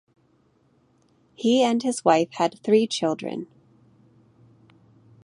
He and his wife had three children.